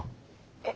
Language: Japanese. えっ。